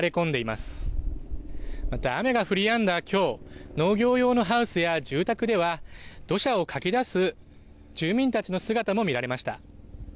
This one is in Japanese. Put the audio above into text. また雨が降りやんだきょう農業用のハウスや住宅では土砂をかき出す住民たちの姿も見られました。